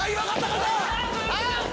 あっ！